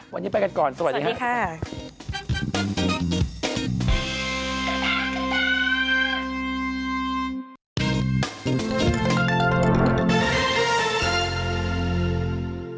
วันนี้ไปกันก่อนสวัสดีค่ะสวัสดีค่ะสวัสดีค่ะ